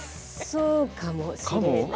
そうかもしれない。